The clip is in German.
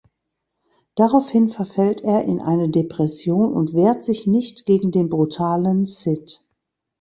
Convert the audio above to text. Daraufhin verfällt er in eine Depression und wehrt sich nicht gegen den brutalen Sid.